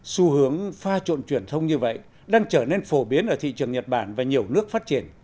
xu hướng pha trộn truyền thông như vậy đang trở nên phổ biến ở thị trường nhật bản và nhiều nước phát triển